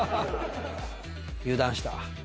油断した。